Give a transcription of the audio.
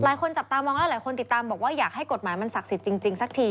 จับตามองแล้วหลายคนติดตามบอกว่าอยากให้กฎหมายมันศักดิ์สิทธิ์จริงสักที